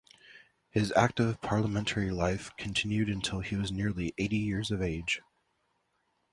His active parliamentary life continued until he was nearly eighty years of age.